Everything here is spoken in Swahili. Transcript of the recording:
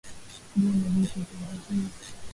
je ni vipi ziara hii